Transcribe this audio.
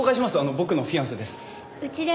僕のフィアンセです。